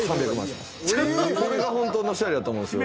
これがほんとのオシャレだと思うんですよ。